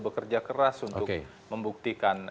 bekerja keras untuk membuktikan